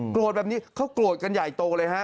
โกรธแบบนี้เขากรวดกันใหญ่โตเลยฮะ